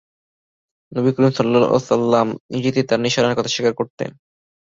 নবী করীম সাল্লাল্লাহু আলাইহি ওয়াসাল্লাম নিজেও তার নিশানার কথা স্বীকার করতেন।